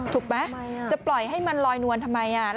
ถูกไหมจะปล่อยให้มันลอยนวลทำไม